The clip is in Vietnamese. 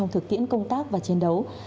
trong thực tiễn công tác và chiến đấu